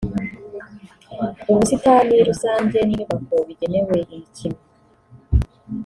ubusitani rusange n’inyubako bigenewe imikino